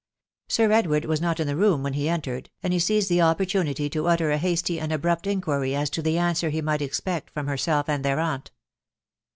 Sir Edward wus met Juuhe atom when he entered, and he seised the opporsuai^ 40 utter a hasty and abrupt rnotnry .as to the answer he TOJght esrpect from herself and their aunt.